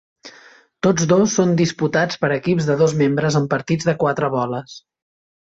Tots dos són disputats per equips de dos membres en partits de quatre boles.